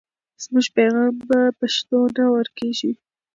زموږ پیغام په پښتو نه ورکېږي.